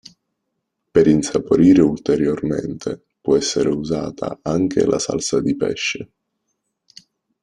Per insaporire ulteriormente può essere usata anche la salsa di pesce.